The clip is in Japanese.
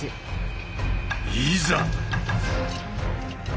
いざ！